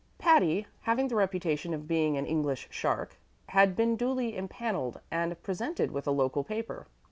Patty, having the reputation of being an "English shark," had been duly empaneled and presented with a local paper.